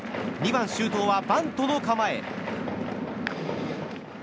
２番、周東はバントの構え。